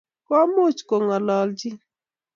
Komuch kongololchin